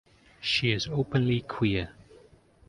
She is openly queer.